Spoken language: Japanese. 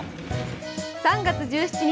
３月１７日